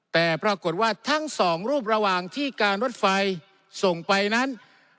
แต่ปรากฏว่าทั้งสองรูประหว่างที่การรถไฟส่งไปนั้น